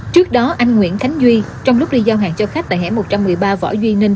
trước đó anh nguyễn khánh duy trong lúc đi giao hàng cho khách tại hẻ một trăm một mươi ba võ duy ninh